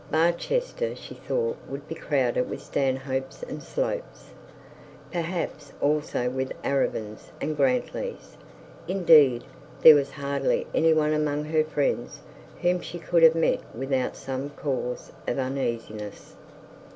Barchester she thought would be crowded with Stanhopes and Slopes; perhaps also with Arabins and Grantlys. Indeed there was hardly any one among her friends whom she could have met, without some cause of uneasiness.